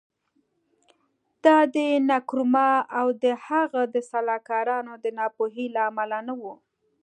دا د نکرومه او د هغه د سلاکارانو د ناپوهۍ له امله نه و.